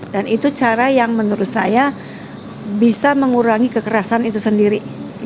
dan itu cara yang menurut saya bisa mengurangi kekerasan itu sendiri